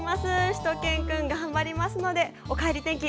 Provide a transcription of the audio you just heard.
しゅと犬くんが頑張りますので「おかえり天気」